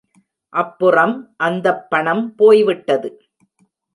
அப்புறம் அந்தப் பணம் போய்விட்டது!